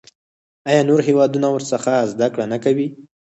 آیا نور هیوادونه ورڅخه زده کړه نه کوي؟